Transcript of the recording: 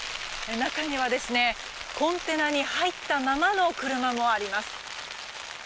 中には、コンテナに入ったままの車もあります。